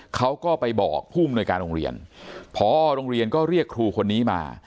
เขาก็ไปบอกผู้อำนวยการโรงเรียนพอโรงเรียนก็เรียกครูคนนี้มา